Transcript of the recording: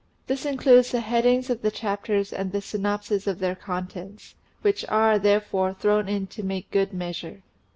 This includes the headings of the chapters and the synopses of their contents, which are, therefore, thrown in to make good measure.